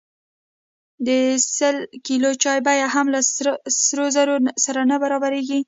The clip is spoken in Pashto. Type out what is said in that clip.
د سل کیلو چای بیه هم له سرو زرو سره نه برابریږي.